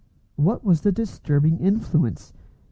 What was the disturbing influence?